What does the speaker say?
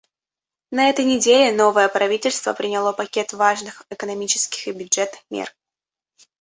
На этой неделе новое правительство приняло пакет важных экономических и бюджетных мер.